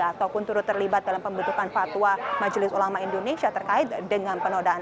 ataupun turut terlibat dalam pembentukan fatwa majelis ulama indonesia terkait dengan penodaan